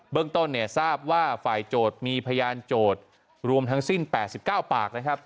เรื่องต้นเนี่ยทราบว่าฝ่ายโจทย์มีพยานโจทย์รวมทั้งสิ้น๘๙ปากนะครับ